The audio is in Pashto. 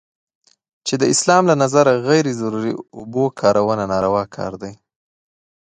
چې د اسلام له نظره غیر ضروري اوبو کارونه ناروا کار دی.